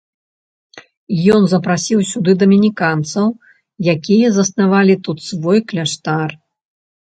Ён запрасіў сюды дамініканцаў, які заснавалі тут свой кляштар.